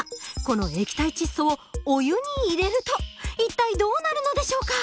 この液体窒素をお湯に入れると一体どうなるのでしょうか？